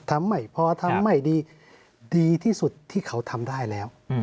ไม่พอทำไม่ดีดีที่สุดที่เขาทำได้แล้ว